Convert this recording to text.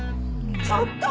ちょっと！